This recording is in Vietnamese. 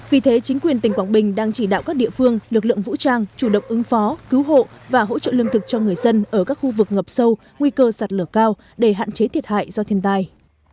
vì thế chính quyền tỉnh quảng bình đang chỉ đạo các địa phương lực lượng vũ trang chủ động ứng phó cứu hộ và hỗ trợ lương thực cho người dân ở các khu vực ngập sâu nguy cơ sạt lở cao để hạn chế thiệt hại do thiên tai